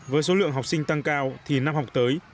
với số lượng học sinh tăng cao thì năm học tới